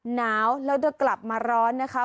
หนาวแล้วจะกลับมาร้อนนะคะ